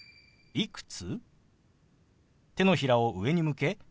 「いくつ？」。